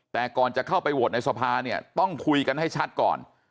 แต่ก่อนจะเข้าไปโหวตในสภาเนี่ยต้องคุยกันให้ชัดก่อน